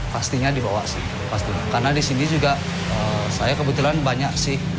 pastinya di bawah sih karena disini juga saya kebetulan banyak sih